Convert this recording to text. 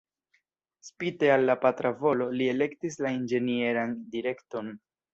Spite al la patra volo, li elektis la inĝenieran direkton.